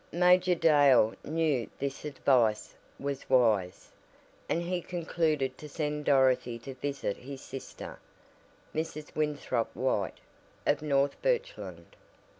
Major Dale knew this advice was wise, and he concluded to send Dorothy to visit his sister, Mrs. Winthrop White, of North Birchland.